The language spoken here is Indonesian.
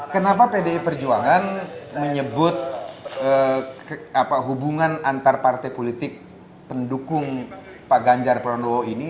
kenapa pdi perjuangan menyebut hubungan antar partai politik pendukung pak ganjar pranowo ini